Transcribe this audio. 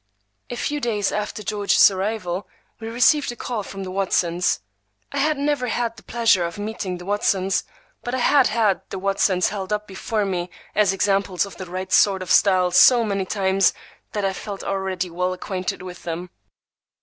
A few days after George's arrival we received a call from the Watsons. I had never had the pleasure of meeting the Watsons, but I had had the Watsons held up before me as examples of the right sort of style so many times, that I felt already well acquainted with them.